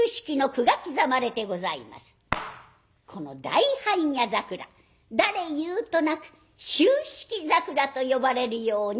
この大般若桜誰言うとなく「秋色桜」と呼ばれるようになりました。